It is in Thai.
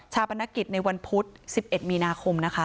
ปนกิจในวันพุธ๑๑มีนาคมนะคะ